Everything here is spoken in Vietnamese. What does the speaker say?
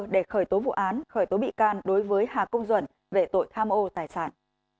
để khởi tố vụ án khởi tố bị can đối với hà công duẩn về tội tham ô tài sản